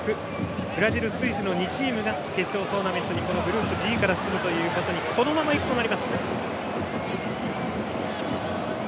ブラジル、スイスの２チームが決勝トーナメントにグループＧから進むことにこのままいくとなります。